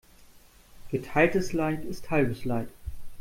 Geteiltes Leid ist halbes Leid.